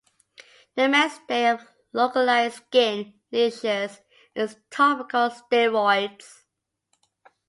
The mainstay of localized skin lesions is topical steroids.